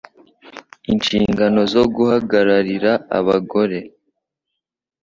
inshingano zo guhagararira abagore,